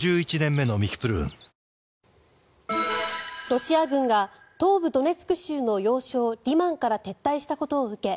ロシア軍が東部ドネツク州の要衝リマンから撤退したことを受け